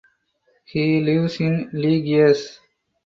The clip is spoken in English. He lives in le Gers.